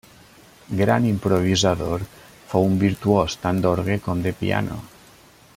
Gran improvisador, fou un virtuós, tant d'orgue com de piano.